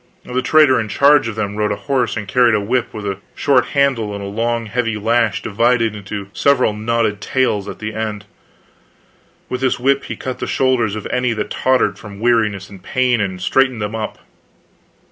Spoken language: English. The trader in charge of them rode a horse and carried a whip with a short handle and a long heavy lash divided into several knotted tails at the end. With this whip he cut the shoulders of any that tottered from weariness and pain, and straightened them up.